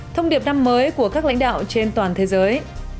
thông điệp năm mới của các lãnh đạo trên toàn thế giới